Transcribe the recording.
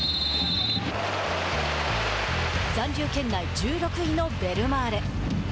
残留圏内１６位のベルマーレ。